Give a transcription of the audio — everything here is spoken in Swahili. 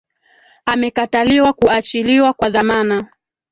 amekataliwa kuachiliwa kwa dhamana